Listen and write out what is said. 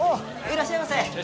いらっしゃいませ。